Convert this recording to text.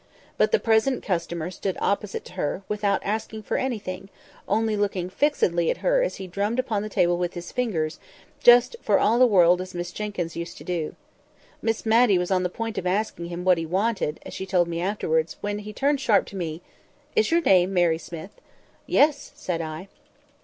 But the present customer stood opposite to her, without asking for anything, only looking fixedly at her as he drummed upon the table with his fingers, just for all the world as Miss Jenkyns used to do. Miss Matty was on the point of asking him what he wanted (as she told me afterwards), when he turned sharp to me: "Is your name Mary Smith?" "Yes!" said I.